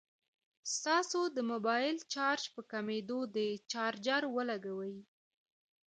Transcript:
ستاسو د موبايل چارج په کميدو دی ، چارجر ولګوئ